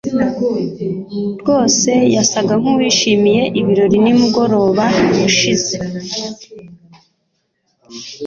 rwose yasaga nkuwishimiye ibirori nimugoroba ushize.